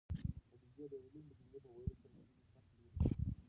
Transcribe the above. خدیجې د یوې لنډې جملې په ویلو سره د هیلې شک لیرې کړ.